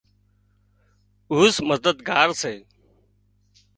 اُوزمددگار سي